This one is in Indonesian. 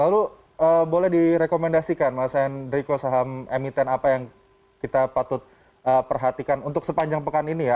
lalu boleh direkomendasikan mas hendriko saham emiten apa yang kita patut perhatikan untuk sepanjang pekan ini ya